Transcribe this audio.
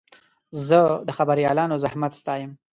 زه د خبریالانو زحمت ستایم.